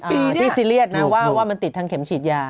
ปีที่ซีเรียสนะว่ามันติดทางเข็มฉีดยา